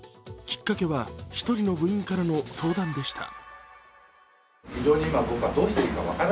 きっかけは１人の部員からの相談でした。